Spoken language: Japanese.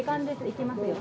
いきますよ。